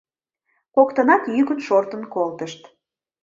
Коктынат йӱкын шортын колтышт.